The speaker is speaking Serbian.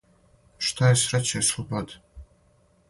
Шта је срећа и слобода.